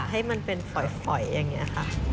ให้มันเป็นฝอยอย่างนี้ค่ะ